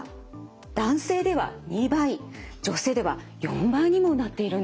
男性では２倍女性では４倍にもなっているんです。